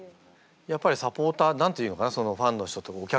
やっぱりサポーター何て言うのかなファンの人というかお客さん？